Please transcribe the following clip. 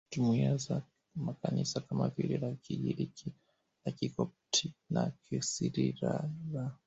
jumuiya za makanisa kama vile la Kigiriki la Kikopti la Kisiria la